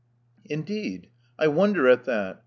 Indeed! I wonder at that.